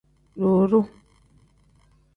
Duuru.